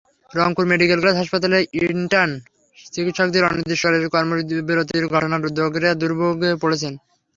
Rangpur medical college হাসপাতালে intern চিকিৎসকদের অনির্দিষ্টকালের কর্মবিরতির ঘটনায় রোগীরা দুর্ভোগে পড়েছেন।